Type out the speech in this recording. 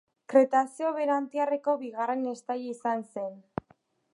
Kretazeo Berantiarreko bigarren estaia izan zen.